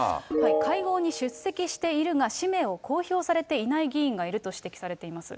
会合に出席しているが、氏名を公表されていない議員がいると指摘されています。